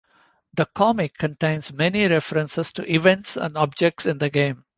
The comic contains many references to events and objects in the game.